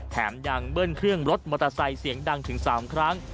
แถมยังเบิ้ลเครื่องรถมอเตอร์ไซค์เสียงดังถึง๓ครั้ง